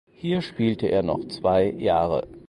Hier spielte er noch zwei Jahre.